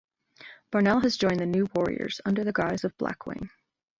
Barnell has joined the New Warriors under the guise of Blackwing.